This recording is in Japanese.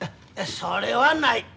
それはない。